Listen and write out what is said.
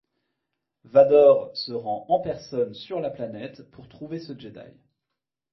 Vador se rend en personne sur la planète pour trouver ce Jedi.